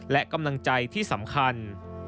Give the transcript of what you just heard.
และกำลังใจที่สำคัญ